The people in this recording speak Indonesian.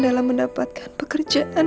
dalam mendapatkan pekerjaan